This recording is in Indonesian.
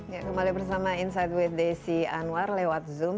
ya kembali bersama insight with desi anwar lewat zoom